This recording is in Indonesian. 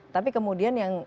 tapi kemudian yang